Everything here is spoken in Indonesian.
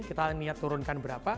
kita niat turunkan berapa